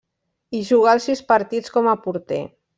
Hi jugà els sis partits com a porter.